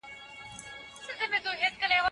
د دغې مځکي خاوند ډېر مېړنی سړی دی.